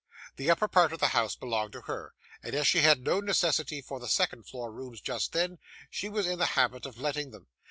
The upper part of the house belonged to her, and as she had no necessity for the second floor rooms just then, she was in the habit of letting them.